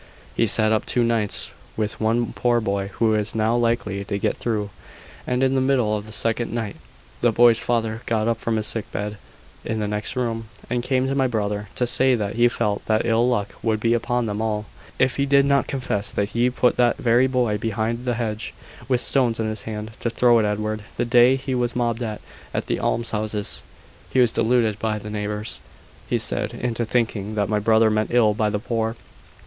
"He sat up two nights with one poor boy who is now likely to get through; and in the middle of the second night, the boy's father got up from his sick bed in the next room, and came to my brother, to say that he felt that ill luck would be upon them all, if he did not confess that he put that very boy behind the hedge, with stones in his hand, to throw at Edward, the day he was mobbed at the almshouses. He was deluded by the neighbours, he said, into thinking that my brother meant ill by the poor."